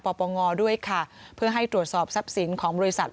ปปงด้วยค่ะเพื่อให้ตรวจสอบทรัพย์สินของบริษัท